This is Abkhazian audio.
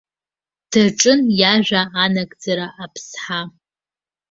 Даҿын иажәа анагӡара аԥсҳа.